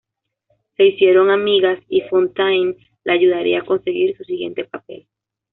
Se hicieron amigas, y Fontaine la ayudaría a conseguir su siguiente papel.